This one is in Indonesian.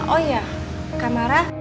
oh iya kak mara